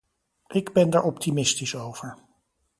Ik ben daar optimistisch over.